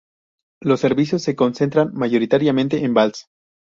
Los servicios se concentran mayoritariamente en Valls.